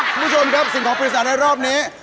คุณผู้ชมครับสิ่งของปริศาจในรอบนี้